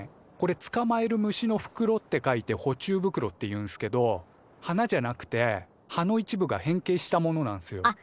これ捕まえる虫の袋って書いて「捕虫袋」っていうんすけど花じゃなくて葉の一部が変形したものなんすよ。